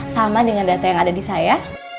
sama dengan data yang ada di saya